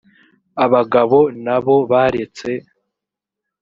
abagabo na bo baretse